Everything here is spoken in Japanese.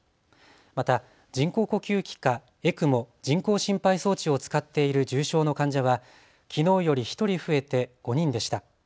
また人工呼吸器かＥＣＭＯ・人工心肺装置を使っている重症の患者はきのうより１人増えて５人でした。